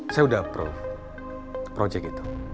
saya sudah approve proyek itu